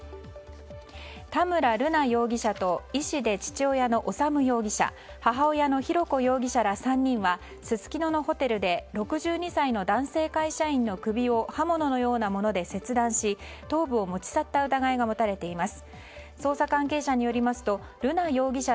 田村瑠奈容疑者と医師で父親の修容疑者母親の浩子容疑者ら３人はすすきののホテルで６２歳の男性会社員の首を刃物のようなもので切断し頭部を持ち去った疑いが持たれています。